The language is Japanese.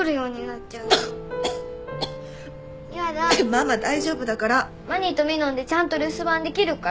ママ大丈夫だから。まにとみのんでちゃんと留守番できるから。